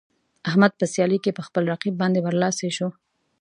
احمد په سیالۍ کې په خپل رقیب باندې برلاسی شو.